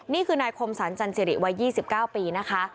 นี่คือนายคมสันจันทรีย์วัย๒๙ปีนะคะ